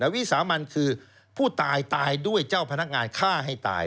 วิสามันคือผู้ตายตายด้วยเจ้าพนักงานฆ่าให้ตาย